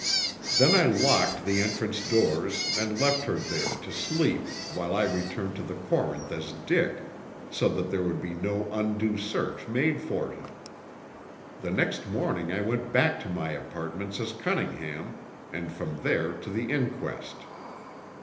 Then I locked the entrance doors and left her there to sleep while I returned to the Corinth as Dick, so that there would be no undue search made for him. The next morning I went back to my apartments as Cunningham, and from there to the inquest.